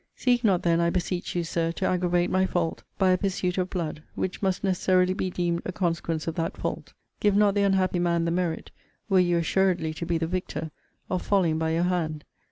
Seek not then, I beseech you, Sir, to aggravate my fault, by a pursuit of blood, which must necessarily be deemed a consequence of that fault. Give not the unhappy man the merit (were you assuredly to be the victor) of falling by your hand.